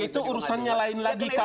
itu urusannya lain lagi